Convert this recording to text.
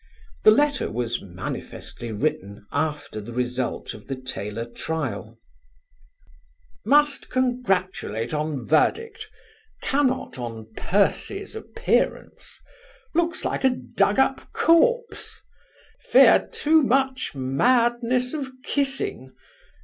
The letter was manifestly written after the result of the Taylor trial: Must congratulate on verdict, cannot on Percy's appearance. Looks like a dug up corpse. Fear too much madness of kissing.